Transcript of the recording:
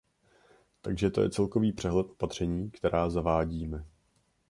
Takže to je celkový přehled opatření, která zavádíme.